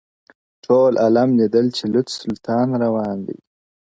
ټول عالم ليدل چي لوڅ سلطان روان دئ-